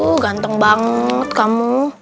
uh ganteng banget kamu